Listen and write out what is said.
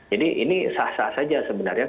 jadi ini sah sah saja sebenarnya